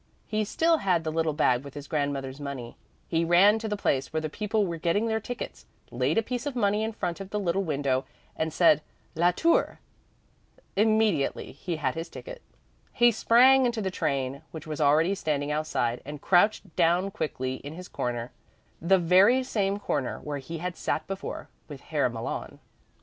He still had the little bag with his grandmother's money. He ran to the place where the people were getting their tickets, laid a piece of money in front of the little window, and said: "La Tour!" Immediately he had his ticket; he sprang into the train, which was already standing outside, and crouched down quickly in his corner, the very same corner where he had sat before with Herr Malon.